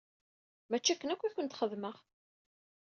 Mačči akken akk i kent-xedmeɣ!